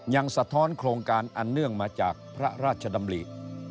สะท้อนโครงการอันเนื่องมาจากพระราชดำริ